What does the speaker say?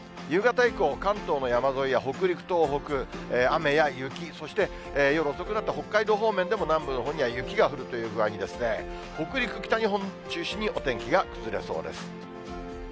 夕方以降、関東の山沿いや北陸、東北、雨や雪、そして夜遅くなると、北海道方面でも南部のほうには雪が降るという具合に、北陸、北日本中心にお天気が崩れそうです。